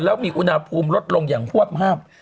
แล้วมีอุณหภูมิลดลงอย่างฮวบห้าม